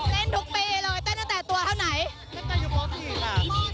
เล่นทุกปีเลยเต้นตั้งแต่ตัวเท่าไหนล่ะ